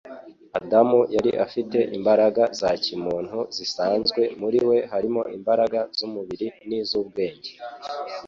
Adamu yari afite imbaraga za kimuntu zisanzwe muri we harimo imbaraga z'umubiri n'iz'ubwenge,